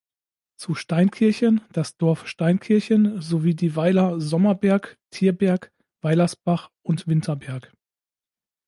Zu Steinkirchen das Dorf Steinkirchen sowie die Weiler Sommerberg, Tierberg, Weilersbach und Winterberg.